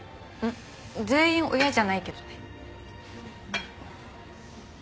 全員親じゃないけどね。